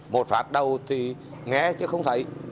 một phát đâu thì nghe chứ không thấy